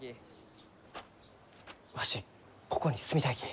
わしここに住みたいき。